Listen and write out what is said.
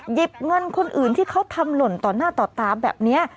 หยิบเงินคนอื่นที่เขาทำหล่นต่อหน้าต่อตาแบบนี้